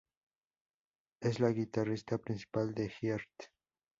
Es la guitarrista principal de Heart.